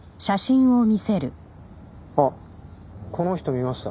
あっこの人見ました。